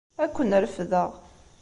Ad ken-refdeɣ.